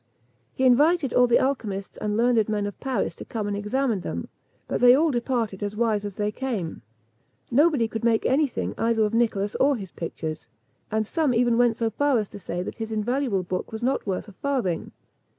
He invited all the alchymists and learned men of Paris to come and examine them, but they all departed as wise as they came. Nobody could make any thing either of Nicholas or his pictures; and some even went so far as to say that his invaluable book was not worth a farthing.